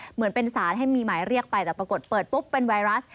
เหมือนเป็นสารให้มีหมายเรียกไปแต่ปรากฏเปิดปุ๊บเป็นไวรัส